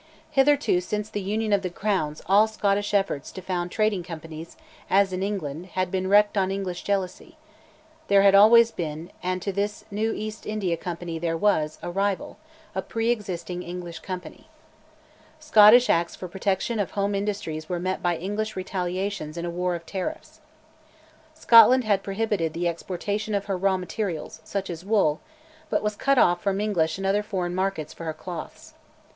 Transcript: Hitherto since the Union of the Crowns all Scottish efforts to found trading companies, as in England, had been wrecked on English jealousy: there had always been, and to this new East India Company there was, a rival, a pre existing English company. Scottish Acts for protection of home industries were met by English retaliation in a war of tariffs. Scotland had prohibited the exportation of her raw materials, such as wool, but was cut off from English and other foreign markets for her cloths.